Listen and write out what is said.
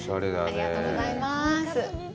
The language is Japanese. ありがとうございます。